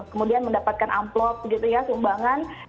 kemudian mendapatkan amplop sumbangan